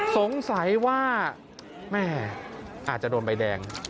สงสัยว่าแม่อาจจะโดนใบแดง